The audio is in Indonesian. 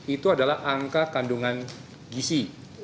itu adalah angka kandungan gisi